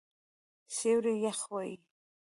سیوری یخ وی